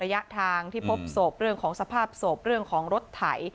ระยะทางที่พบศพเรื่องของสภาพศพเรื่องของรถไถ